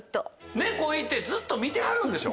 猫いてずっと見てはるんでしょ？